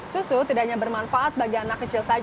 susu tidak hanya bermanfaat bagi anak kecil